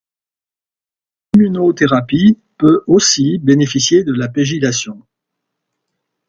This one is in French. L'immunothérapie peut aussi bénéficier de la pégylation.